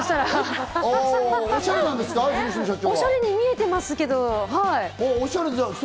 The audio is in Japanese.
おしゃれに見えています。